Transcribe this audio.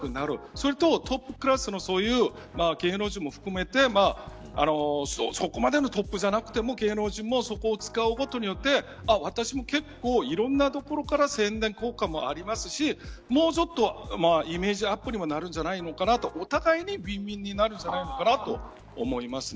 そして、トップクラスの芸能人も含めてそこまでのトップじゃなくても芸能人もそこを使うことによって私も結構いろんな所から宣伝効果もありますしもうちょっとイメージアップにもなるんじゃないかなとお互いに、ウィンウィンになるんじゃないかと思います。